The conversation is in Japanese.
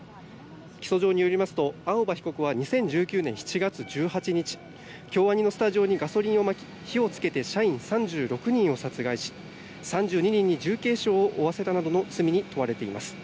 起訴状によりますと青葉被告は２０１９年７月１８日京アニのスタジオにガソリンをまき、火をつけて社員３６人を殺害し３２人に重軽傷を負わせたなどの罪に問われています。